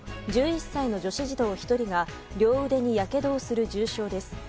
１１歳の女子児童１人が両腕にやけどをする重傷です。